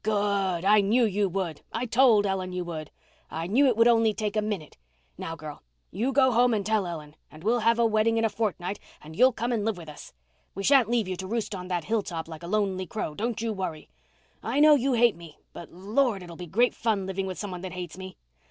"Good! I knew you would—I told Ellen you would. I knew it would only take a minute. Now, girl, you go home and tell Ellen, and we'll have a wedding in a fortnight and you'll come and live with us. We shan't leave you to roost on that hill top like a lonely crow—don't you worry. I know you hate me, but, Lord, it'll be great fun living with some one that hates me.